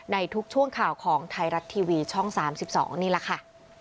ในทุกช่วงข่าวของไทยรัฐทีวีช่อง๓๒นี่แหละค่ะ